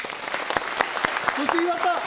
そして岩田！